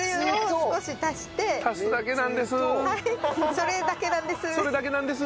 それだけなんです。